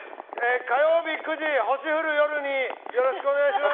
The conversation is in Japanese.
火曜日９時『星降る夜に』よろしくお願いします。